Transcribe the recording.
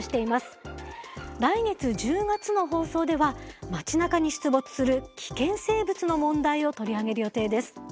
来月１０月の放送では街なかに出没する危険生物の問題を取り上げる予定です。